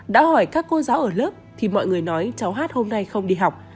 đã hỏi các cô giáo ở lớp thì mọi người nói cháu hát hôm nay không đi học